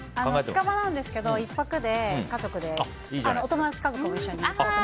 近場なんですけど１泊で家族で、お友達家族も一緒に。